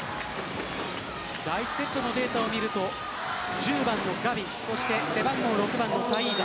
第１セットのデータを見ると１０番のガビ、背番号６番のタイーザ